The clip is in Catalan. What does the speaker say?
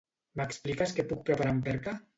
M'expliques què puc preparar amb perca?